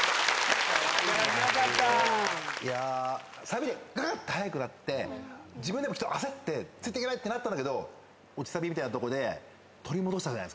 サビでぐぐって速くなって自分でもきっと焦ってついていけないってなったんだけど落ちサビみたいなとこで取り戻したじゃないですか。